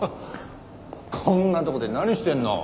こんなとこで何してんの？